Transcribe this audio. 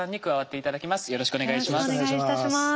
よろしくお願いします。